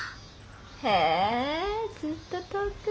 へえずっと遠く。